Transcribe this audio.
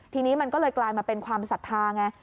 ทีนี้มันก็เลยกลายมาเป็นความศรัทธาไง